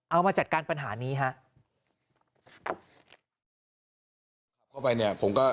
เอามาจัดการปัญหานี้ฮะ